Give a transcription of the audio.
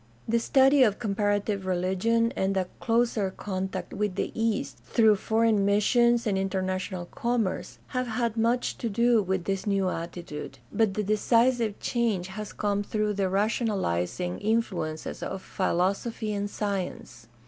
The study of comparative religion, and a closer contact with the East through foreign missions and international commerce, have had much to do with this new attitude; but the decisive change has come through the rationalizing influences of philosophy and science.